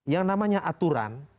yang namanya aturan